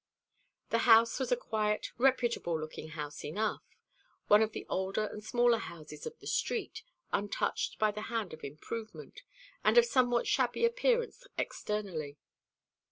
The house was a quiet reputable looking house enough one of the older and smaller houses of the street, untouched by the hand of improvement, and of somewhat shabby appearance externally.